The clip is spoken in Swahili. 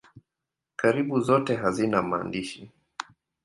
Karibu zote hazina maandishi.